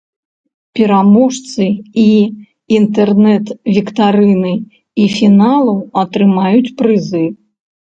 Пераможцы і інтэрнэт-віктарыны, і фіналу атрымаюць прызы.